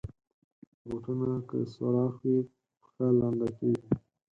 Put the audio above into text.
بوټونه که سوراخ وي، پښه لنده کېږي.